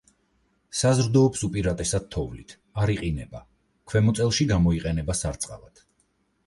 საზრდოობს უპირატესად თოვლით, არ იყინება, ქვემოწელში გამოიყენება სარწყავად.